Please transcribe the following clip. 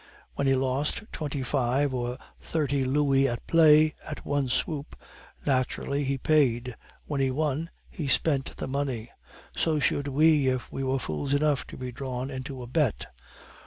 When he lost twenty five or thirty louis at play at one swoop, naturally he paid; when he won, he spent the money; so should we if we were fools enough to be drawn into a bet.